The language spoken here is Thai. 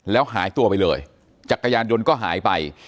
แล้วหายตัวไปเลยจักรยานยนต์ก็หายไป